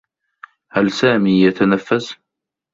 هل سامي يتنفّس؟